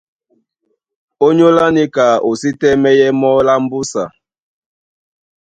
Ónyólá níka o sí tɛ́mɛ́yɛ́ mɔ́ lá mbúsa.